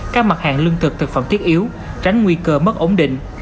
các mặt hàng lương thực thực phẩm thiết yếu tránh nguy cơ mất ổn định